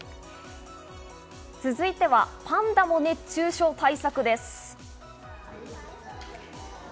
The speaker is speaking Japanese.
続いては、パンダも熱中症対策です。